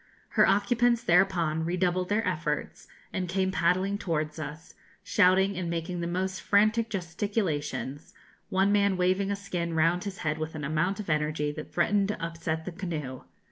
Her occupants thereupon redoubled their efforts, and came paddling towards us, shouting and making the most frantic gesticulations, one man waving a skin round his head with an amount of energy that threatened to upset the canoe.